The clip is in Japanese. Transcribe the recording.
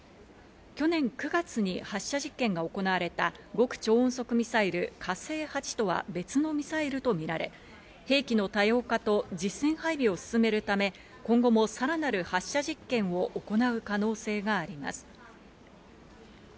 去年９月に発射実験が行われた極超音速ミサイル「火星８」とは別のミサイルとみられ、兵器の多様化と実戦配備を進めるため、今後もさらなる発射実験を行う可能性があります。